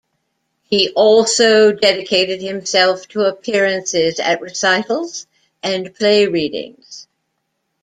He also dedicated himself to appearances at recitals and play readings.